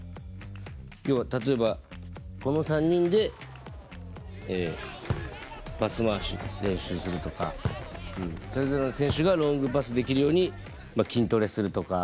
要は例えばこの３人でパス回しの練習するとかそれぞれの選手がロングパスできるように筋トレするとか。